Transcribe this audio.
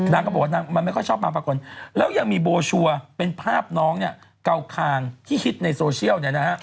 นางก็บอกว่ามันไม่ค่อยชอบมาภาคุณแล้วยังมีโบชัวร์เป็นภาพน้องเก่าคางที่ฮิตในโซเชียล